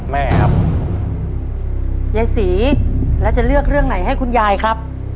แม่ครับยายศรีแล้วจะเลือกเรื่องไหนให้คุณยายครับ